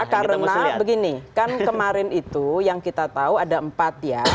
karena begini kan kemarin itu yang kita tahu ada empat ya